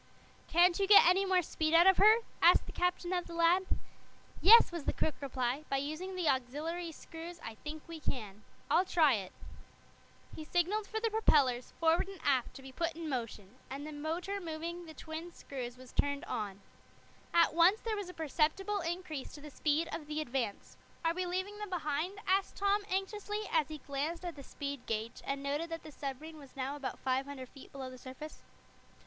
"Can't you get any more speed out of her?" asked the captain of the lad. "Yes," was the quick reply; "by using the auxiliary screws I think we can. I'll try it." He signaled for the propellers, forward and aft, to be put in operation, and the motor moving the twin screws was turned on. At once there was a perceptible increase to the speed of the Advance. "Are we leaving them behind?" asked Tom anxiously, as he glanced at the speed gage, and noted that the submarine was now about five hundred feet below the surface.